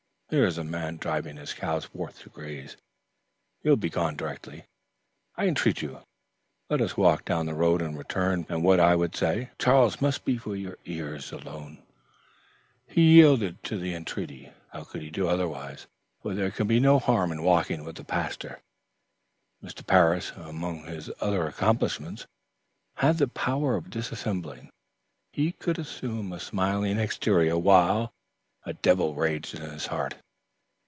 Here is a man driving his cows forth to graze. He will be gone directly. I entreat you let us walk down the road and return, for what I would say, Charles, must be for your ears alone." He yielded to the entreaty. How could he do otherwise, for there could be no harm in walking with the pastor? Mr. Parris, among his other accomplishments, had the power of dissembling. He could assume a smiling exterior while a devil raged in his heart.